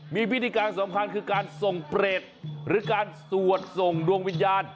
มีพิธีการสำคัญคือการส่งเปรตหรือการสวดส่งดวงวิญญาณ